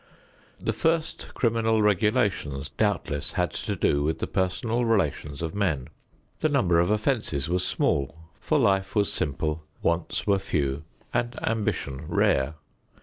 The first criminal regulations, doubtless, had to do with the personal relations of men. The number of offenses was small for life was simple, wants were few, and ambition rare.